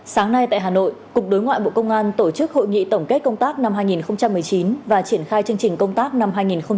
sáng nay tại hà nội cục đối ngoại bộ công an tổ chức hội nghị tổng kết công tác năm hai nghìn một mươi chín và triển khai chương trình công tác năm hai nghìn hai mươi